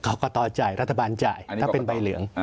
กรกตจ่ายรัฐบาลจ่ายถ้าเป็นใบเหลือง